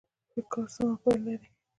ښه کار سمه پایله لري.